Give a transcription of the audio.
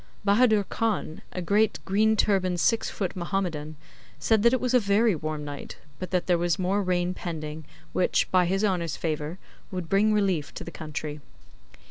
Bahadur Khan, a great, green turbaned, six foot Mahomedan, said that it was a very warm night; but that there was more rain pending, which, by his Honour's favour, would bring relief to the country.